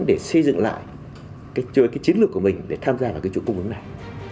để xây dựng lại chiến lược của mình để tham gia vào chuỗi cung ứng này